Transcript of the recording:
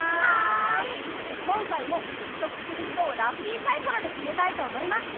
今回も試食する人をラッピーサイコロで決めたいと思います。